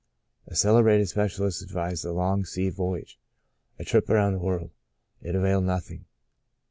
A celebrated specialist advised a long sea voyage — a trip around the world. It availed nothing.